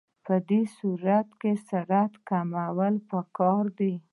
په دې صورت کې سرعت کمول پکار دي